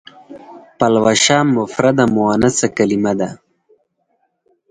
پلوشه مفرده مونثه کلمه ده.